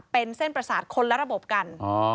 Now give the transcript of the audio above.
เป็นเส้นประสาทคนละระบบกัน